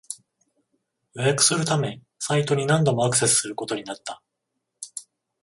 予約するためサイトに何度もアクセスすることになった